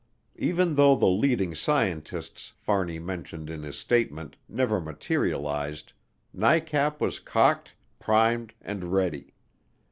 Even though the "leading scientists" Fahrney mentioned in his statement never materialized NICAP was cocked, primed, and ready.